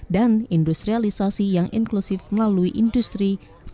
dan industrialisasi yang inklusif melalui industri empat